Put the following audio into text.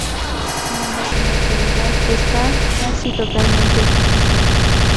Sin embargo, en la actualidad está casi totalmente urbanizado.